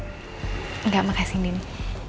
din kalo begitu gue sama miece langsung balik aja ya